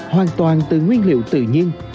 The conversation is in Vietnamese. hoàn toàn từ nguyên liệu tự nhiên